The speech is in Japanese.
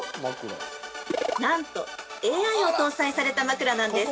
◆なんと、ＡＩを搭載された枕なんです。